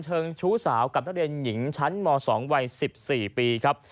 เติมชู้สาวกับนักเรียนหญิงชั้นหมอสองวัยสิบสี่ปีครับ